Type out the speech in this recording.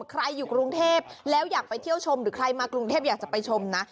ใครอยู่กรุงเทพแล้วอยากไปเที่ยวชมหรือใครมากรุงเทพอยากจะไปชมนะ